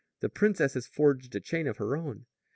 "The princess has forged a chain of her own.